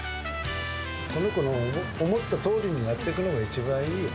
この子の思ったとおりにやっていくのが一番いいよ。